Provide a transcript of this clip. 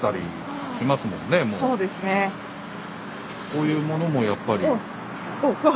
こういうものもやっぱり。